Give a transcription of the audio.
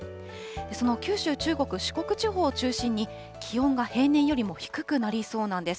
その九州、中国、四国地方を中心に、気温が平年よりも低くなりそうなんです。